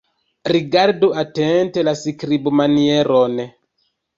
Rigardu atente la skribmanieron.